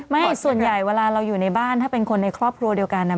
ส่วนใหญ่เวลาเราอยู่ในบ้านถ้าเป็นคนในครอบครัวเดียวกัน